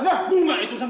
nah bunga itu senang